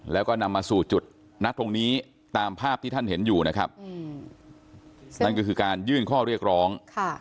แล้วก็นำมาสู่จุดนัดตรงนี้ตามภาพที่ท่านเห็นอยู่นะครับนั่นก็คือการยื่นข้อเรียกร้อง